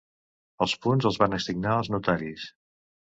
Els punts els van assignar els notaris.